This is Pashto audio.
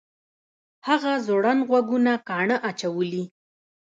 هغه ځوړند غوږونه کاڼه اچولي